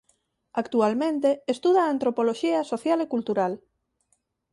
Actualmente estuda Antropoloxía Social e Cultural.